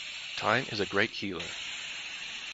Time is a great healer.